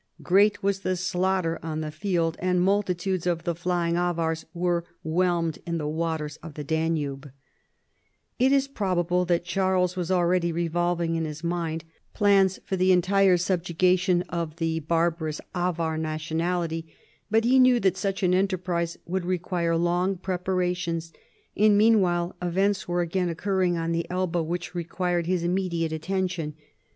Great was the slaughter on the field, and multitudes of the flying Avars were whelmed in the waters of the Danube, It is probable that Charles was already revolving in his mind plans for the entire subjugation of the barbarous Avar nationality, but he knew that such an enterprise would require long preparations, and meanwhile events were again occurring on the Elbe which required his immediate attention.